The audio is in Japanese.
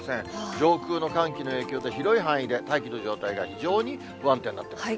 上空の寒気の影響で、広い範囲で大気の状態が非常に不安定になってます。